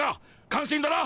感心だな。